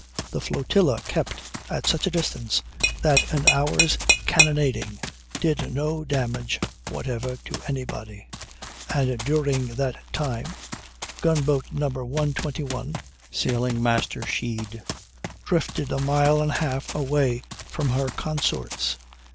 The flotilla kept at such a distance that an hour's cannonading did no damage whatever to anybody; and during that time gun boat No. 121, Sailing master Shead, drifted a mile and a half away from her consorts.